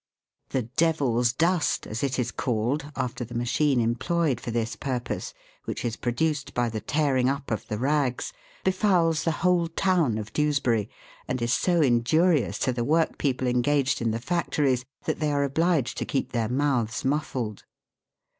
The "devil's" dust, as it is called, after the machine employed for this purpose, which is produced by the tearing up of the rags, befouls the whole town of Dewsbury, and is so injurious to the workpeople engaged in the factories, that they are obliged to keep their mouths muffled.